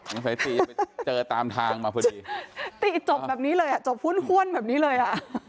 ไม่ใช่ตี๋เจอตามทางมาพวกนี้ตี๋จบแบบนี้เลยอ่ะจบหุ้นห้วนแบบนี้เลยอ่ะ